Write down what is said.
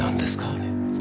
あれ。